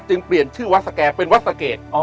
เปลี่ยนชื่อวัดสแก่เป็นวัดสะเกด